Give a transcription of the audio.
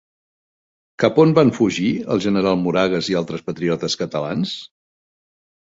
Cap on van fugir el General Moragues i altres patriotes catalans?